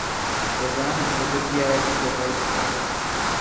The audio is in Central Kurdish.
دەزانم هۆگر پیاوێکی خۆپەرستە.